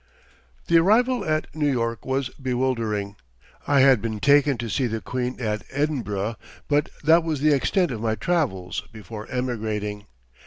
The arrival at New York was bewildering. I had been taken to see the Queen at Edinburgh, but that was the extent of my travels before emigrating.